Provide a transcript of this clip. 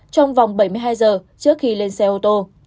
trong vòng bảy mươi hai giờ trước khi lên xe ô tô